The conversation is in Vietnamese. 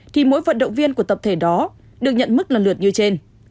thì mỗi vận động viên của tập thể đó được nhận mức lần lượt như trên